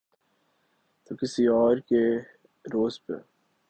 تو کسی اور کے زور پہ۔